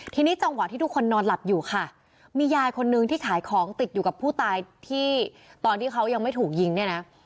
ทีนี้จังหวะที่ทุกคนนอนหลับอยู่ค่ะมียายคนนึงที่ขายของติดอยู่กับผู้ตายที่ตอนที่เขายังไม่ถูกยิงเนี่ยนะ